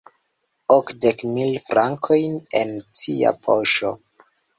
Okdek mil frankojn el cia poŝo!